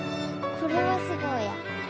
これはすごいや。